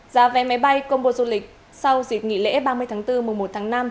giá vé máy bay công bộ du lịch sau dịch nghỉ lễ ba mươi tháng bốn mùa một tháng năm